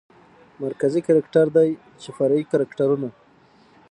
مرکزي کرکتر دى چې فرعي کرکترونه